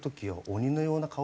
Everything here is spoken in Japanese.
鬼のような顔？